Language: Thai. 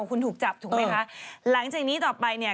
คุณถูกจับถูกไหมคะหลังจากนี้ต่อไปเนี่ย